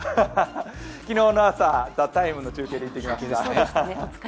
昨日の朝、「ＴＨＥＴＩＭＥ，」の中継で行ってきました。